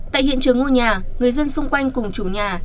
tại hiện trường ngôi nhà người dân xung quanh cùng chủ nhà